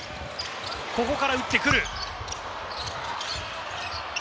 ここから打ってくる！